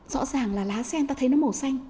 rõ ràng là lá sen ta thấy nó màu xanh